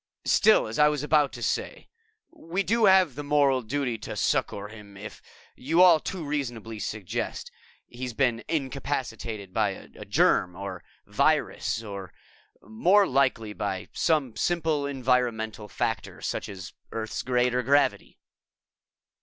Still, as I was about to say, we do have the moral duty to succor him if, as you all too reasonably suggest, he has been incapacitated by a germ or virus or, more likely, by some simple environmental factor such as Earth's greater gravity."